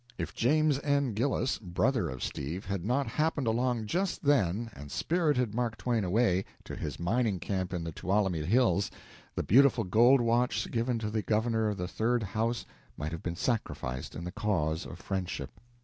If James N. Gillis, brother of Steve, had not happened along just then and spirited Mark Twain away to his mining camp in the Tuolumne Hills, the beautiful gold watch given to the governor of the Third House might have been sacrificed in the cause of friendship.